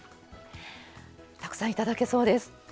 たくさんいただけそうです。